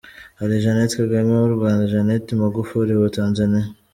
Hari Jeannette Kagame w’u Rwanda, Janet Magufuli wa Tanzaniya.